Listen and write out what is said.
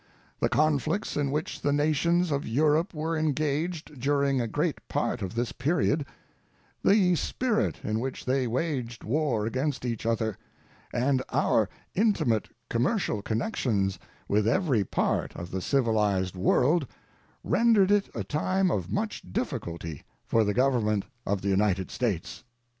The conflicts in which the nations of Europe were engaged during a great part of this period, the spirit in which they waged war against each other, and our intimate commercial connections with every part of the civilized world rendered it a time of much difficulty for the Government of the United States.